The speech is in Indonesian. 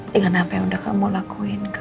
dengan apa yang udah kamu lakuin